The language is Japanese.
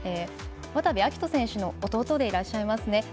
渡部暁斗選手の弟でいらっしゃいますね